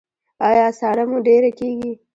ایا ساړه مو ډیر کیږي؟